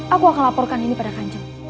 aku akan laporkan ini pada kanjeng